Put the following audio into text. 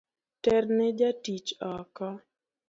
Terne jatich oko